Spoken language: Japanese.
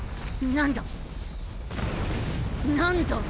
・何だ！？